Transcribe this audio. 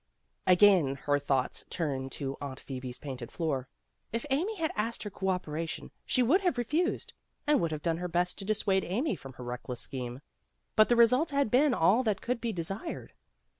'' Again her thoughts turned to Aunt Phoebe's painted floor. If Amy had asked her cooperation, she would have re fused, and would have done her best to dis suade Amy from her reckless scheme. But the results had been all that could be desired.